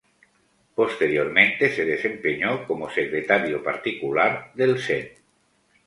Posteriormente se desempeñó como Secretario Particular del Sen.